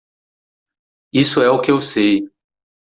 Isso é o que eu sei.